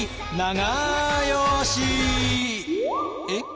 えっ？